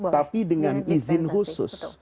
tapi dengan izin khusus